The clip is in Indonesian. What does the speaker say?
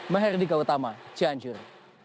meherdi gautama cianjur